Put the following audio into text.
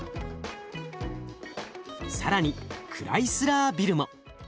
更にクライスラービルも。